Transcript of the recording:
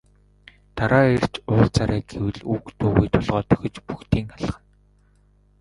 Дараа ирж уулзаарай гэвэл үг дуугүй толгой дохиж бөгтийн алхана.